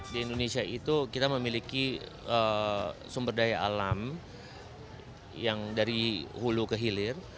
di indonesia itu kita memiliki sumber daya alam yang dari hulu ke hilir